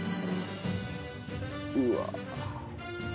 うわ。